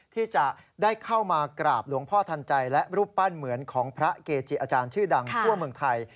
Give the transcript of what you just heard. ที่จะได้เข้ามากราบหลวงพ่อทันใจและรูปปั้นเหมือนของพระเกจิอาจารย์ชื่อดังทั่วเมืองไทย